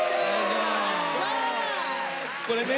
これね